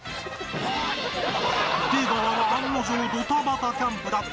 出川は案の定ドタバタキャンプだったが